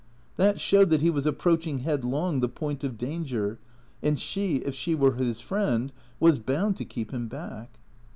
That showed that he was approaching headlong the point of danger; and she, if she were his friend, was bound to keep him back.